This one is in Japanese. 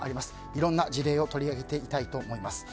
いろんな事例を取り上げていきたいと思います。